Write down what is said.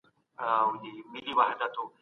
هغه د سولي غوښتنه کوي.